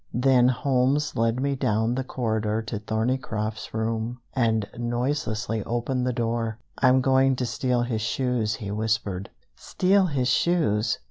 Then Holmes led me down the corridor to Thorneycroft's room, and noiselessly opened the door. "I'm going to steal his shoes," he whispered. "Steal his shoes!